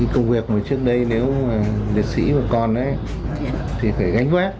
công việc trước đây nếu liệt sĩ còn thì phải gánh quát